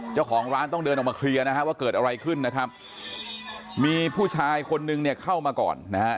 เจ้าของร้านต้องเดินออกมาเคลียร์นะฮะว่าเกิดอะไรขึ้นนะครับมีผู้ชายคนนึงเนี่ยเข้ามาก่อนนะฮะ